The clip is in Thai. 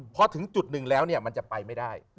พอถึงจุดหนึ่งแล้วมันจะไปไม่ได้